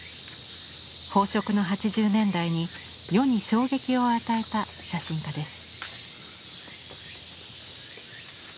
飽食の８０年代に世に衝撃を与えた写真家です。